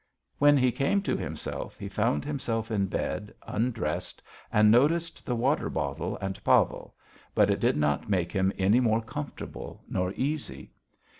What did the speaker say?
When he came to himself he found himself in bed, undressed, and noticed the water bottle and Pavel, but it did not make him any more comfortable nor easy.